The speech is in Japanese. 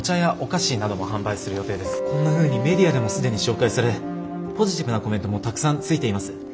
こんなふうにメディアでも既に紹介されポジティブなコメントもたくさんついています。